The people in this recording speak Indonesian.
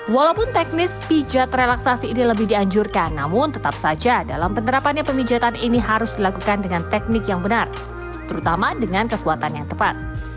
walaupun teknis pijat relaksasi ini lebih dianjurkan namun tetap saja dalam penerapannya pemijatan ini harus dilakukan dengan teknik yang benar terutama dengan kekuatan yang tepat